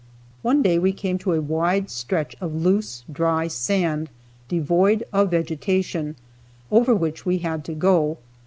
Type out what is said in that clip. One day we came to a wide stretch of loose dry sand, devoid of vegetation, over which we had to go.